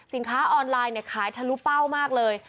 ออนไลน์เนี่ยขายทะลุเป้ามากเลย